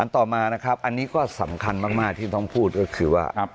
ต่อมาอันนี้สำคัญมากที่ต้องพูดคือว่า